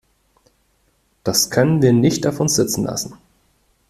Das können wir nicht auf uns sitzen lassen!